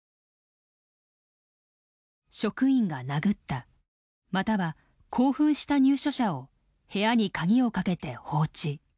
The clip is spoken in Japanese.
職員が殴ったまたは興奮した入所者を部屋に鍵をかけて放置。